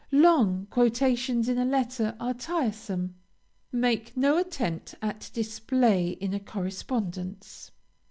Long quotations in a letter are tiresome. Make no attempt at display in a correspondence.